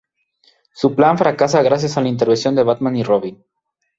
Su plan fracasa gracias a la intervención de Batman y Robin.